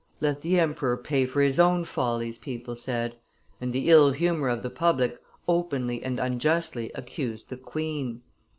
"Let the emperor pay for his own follies," people said; and the ill humor of the public openly and unjustly accused the queen.